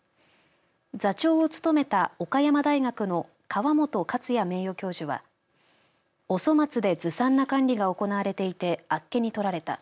座長を務めた岡山大学の川本克也名誉教授はお粗末でずさんな管理が行われていてあっけに取られた。